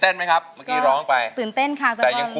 ถอนสภาษางด